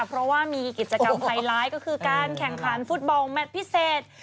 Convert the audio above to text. เพราะว่ามีกิจกรรมไฮไลท์ก็คือการแข่งขันฟุตบอลแมทพิเศษ